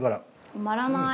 止まらない。